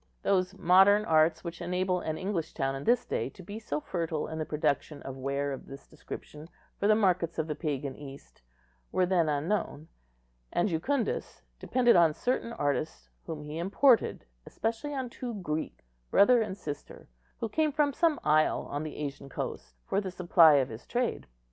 Those modern arts which enable an English town in this day to be so fertile in the production of ware of this description for the markets of the pagan East, were then unknown; and Jucundus depended on certain artists whom he imported, especially on two Greeks, brother and sister, who came from some isle on the Asian coast, for the supply of his trade.